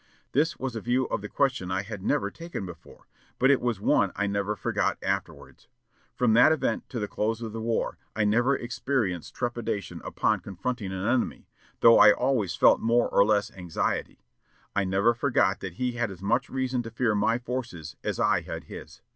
This was a view of the question I had never taken before, but it was one I never forgot afterwards. From that event to the close of the war, I never experienced trepidation upon confronting an enemy, though I always felt more or less anxiety. I never forgot that he had as much reason to fear my forces as I had his.